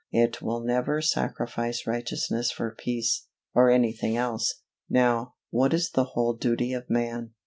It will never sacrifice righteousness for peace, or anything else. Now, what is the whole duty of man?